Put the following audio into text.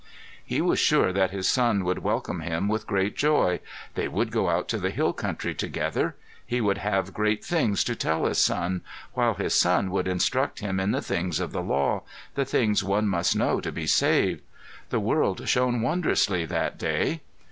He was sure that his son would welcome him with great joy. They would go out to the hill country together. He would have great things to tell his son, while his son would instruct him in the things of the law, the things one must know to be saved. The world shone wondrously that day.